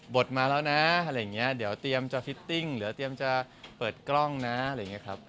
บทมาแล้วนะเดี๋ยวเตรียมจะพิตติ้งเดี๋ยวเตรียมจะเปิดกล้องนะ